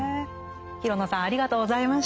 廣野さんありがとうございました。